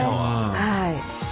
はい。